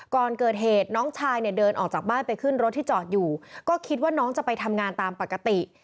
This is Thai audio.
ก่อนเกิดเหตุน้องชายเนี่ยเดินออกจากบ้านไปขึ้นรถที่จอดอยู่ก็คิดว่าน้องจะไปทำงานตามปกติ